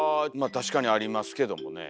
確かにありますけどもね。